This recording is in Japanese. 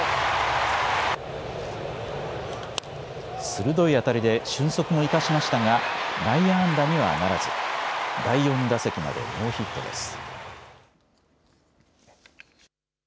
鋭い当たりで俊足も生かしましたが内野安打にはならず、第４打席までノーヒットです。